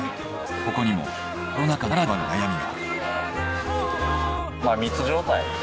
ここにもコロナ禍ならではの悩みが。